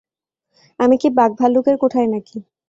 আমি কি বাঘভালুকের কোঠায় না কি?